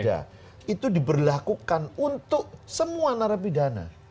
itu diberlakukan untuk semua narapidana